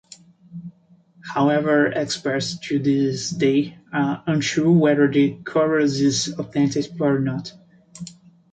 However, experts to this day are unsure whether the kouros is authentic or not.